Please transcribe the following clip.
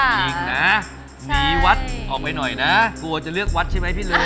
จริงนะหนีวัดออกไปหน่อยนะกลัวจะเลือกวัดใช่ไหมพี่เลย